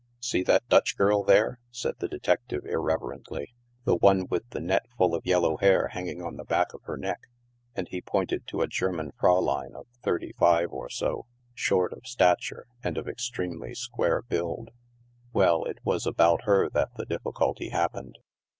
" See that Dutch girl there !" said the detective, irreverently, " the one with the net full of yellow hair hanging on the back of her neck," and he pointed to a German fraulein of thirty five or so, short of stature, and of extremely square build. " Well, it was about her that the difficulty happened.